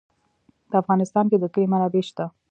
په افغانستان کې د کلي منابع شته.